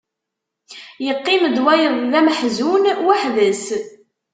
Yeqqim-d wayeḍ d ameḥzun weḥd-s.